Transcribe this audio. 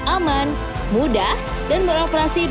aman mudah dan beroperasi dua puluh empat jam tujuh hari